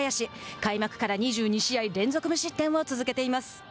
開幕から２２試合連続無失点を続けています。